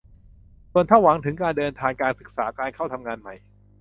ส่วนถ้าหวังถึงการเดินทาง การศึกษา การเข้าทำงานใหม่